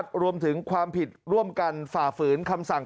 ได้รับอนุญาตรวมถึงความผิดร่วมกันฝ่าฝืนคำสั่ง